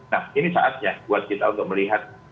nah ini saatnya buat kita untuk melihat